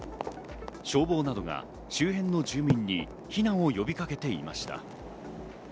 消防などが周辺の住民に避難を呼びかけていました。